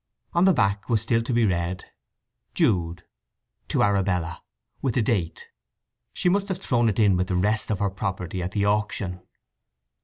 On the back was still to be read, "Jude to Arabella," with the date. She must have thrown it in with the rest of her property at the auction.